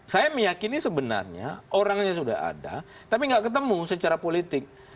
saya meyakini sebenarnya orangnya sudah ada tapi nggak ketemu secara politik